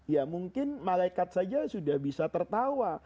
ya mungkin malaikat saja sudah bisa tertawa